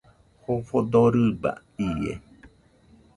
Jofo dorɨba ie